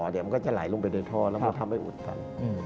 มันก็จะไหลลงไปโดยท่อแล้วทำให้อุดกัน